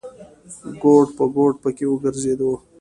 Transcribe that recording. ګوټ په ګوټ پکې وګرځېدو.